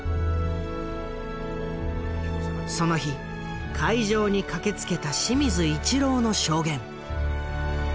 その日会場に駆けつけた清水一朗の証言。